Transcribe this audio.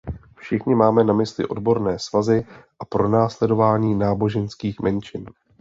Všichni máme na mysli odborové svazy a pronásledování náboženských menšin.